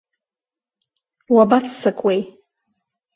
Уабаццакуеи?